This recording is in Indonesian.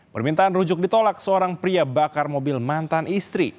permintaan rujuk ditolak seorang pria bakar mobil mantan istri